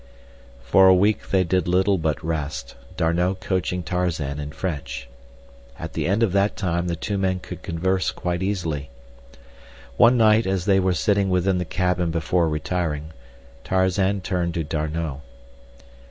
For a week they did little but rest, D'Arnot coaching Tarzan in French. At the end of that time the two men could converse quite easily. One night, as they were sitting within the cabin before retiring, Tarzan turned to D'Arnot.